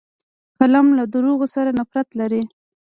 قلم له دروغو سره نفرت لري